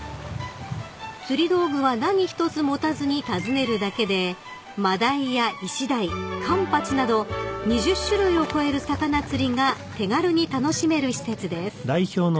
［釣り道具は何一つ持たずに訪ねるだけでマダイやイシダイカンパチなど２０種類を超える魚釣りが手軽に楽しめる施設です］